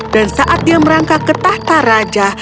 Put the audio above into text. dan saat dia merangkak ke tahta raja